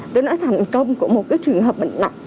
tôi nói thành công của một cái trường hợp bệnh nặng